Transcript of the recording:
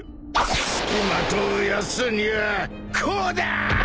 付きまとうやつにはこうだぁ！